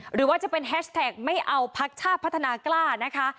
หรือว่าจะเป็นแฮชแท็กไม่เอาพักชาติพัฒนากล้านะคะ